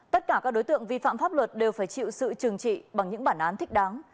tất cả các đối tượng vi phạm pháp luật đều phải chịu sự trừng trị bằng những bản án thích đáng